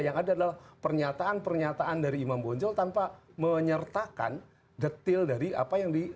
yang ada adalah pernyataan pernyataan dari imam bonjol tanpa menyertakan detail dari apa yang di